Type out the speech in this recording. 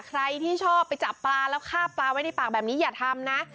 ใครที่ชอบไปจับปลาแล้วฆ่าปลาไว้ในปากแบบนี้อย่าทำนะ